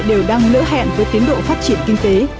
đều đang lỡ hẹn với tiến độ phát triển kinh tế